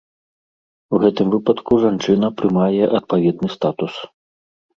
У гэтым выпадку жанчына прымае адпаведны статус.